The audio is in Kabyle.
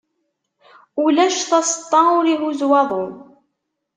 Ulac taseṭṭa ur ihuzz waḍu.